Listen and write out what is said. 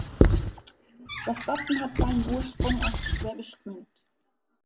Das Wappen hat seinen Ursprung aus Schwäbisch Gmünd.